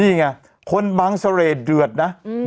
นี่ไงคนบางเศรษฐ์เรือดนะอืม